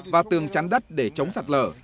và tường chắn đất để chống sạt lở